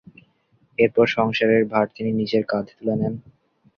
এরপর সংসারের ভার তিনি নিজের কাঁধে তুলে নেন।